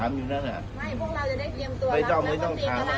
ไม่ต้องไม่ต้องถาม